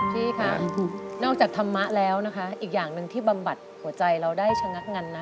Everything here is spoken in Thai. พี่คะนอกจากธรรมะแล้วนะคะอีกอย่างหนึ่งที่บำบัดหัวใจเราได้ชะงักงันนะ